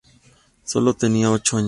Sólo tenía ocho años.